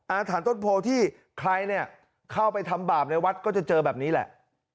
อาถรรพต้นโพที่ใครเนี่ยเข้าไปทำบาปในวัดก็จะเจอแบบนี้แหละ